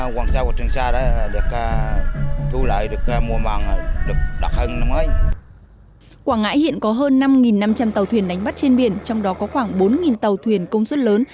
quảng ngãi hiện có hơn năm năm trăm linh tàu thuyền đánh bắt trên biển trong đó có khoảng bốn tàu thuyền công suất lớn